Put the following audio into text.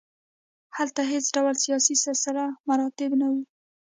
هلته هېڅ ډول سیاسي سلسله مراتب نه وو.